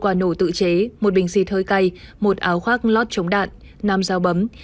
một quả nổ tự chế một bình xịt hơi cay một áo khoác lót chống đạn năm dao bấm